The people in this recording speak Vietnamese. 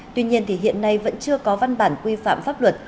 tuy nhiên thì hiện nay vẫn chưa có văn bản quy phạm pháp luật